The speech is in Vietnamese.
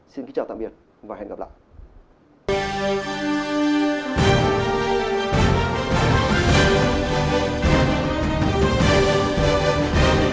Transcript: xin kính chào tạm biệt và hẹn gặp lại